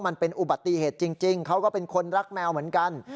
มันเป็นอุบัติเหตุจริงเขาก็เป็นคนรักแมวเหมือนกัน